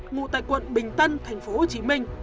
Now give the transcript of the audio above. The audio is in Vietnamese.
ngụ tại quận bình tân tp hcm